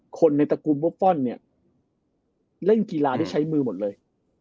คนในตระกูลบุฟฟอลเนี่ยเล่นกีฬาได้ใช้มือหมดเลย